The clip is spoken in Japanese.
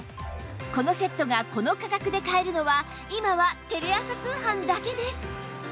このセットがこの価格で買えるのは今はテレ朝通販だけです